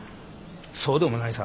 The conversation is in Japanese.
そうでもないさ。